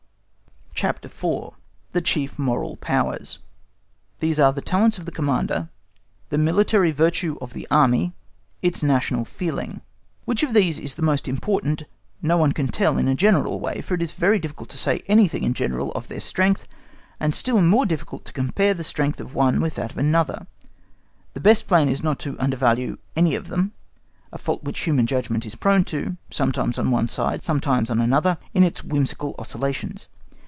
CHAPTER IV. The Chief Moral Powers These are The Talents of the Commander; The Military Virtue of the Army; Its National feeling. Which of these is the most important no one can tell in a general way, for it is very difficult to say anything in general of their strength, and still more difficult to compare the strength of one with that of another. The best plan is not to undervalue any of them, a fault which human judgment is prone to, sometimes on one side, sometimes on another, in its whimsical oscillations.